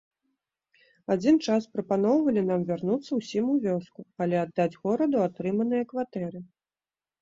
Адзін час прапаноўвалі нам вярнуцца ўсім у вёску, але аддаць гораду атрыманыя кватэры.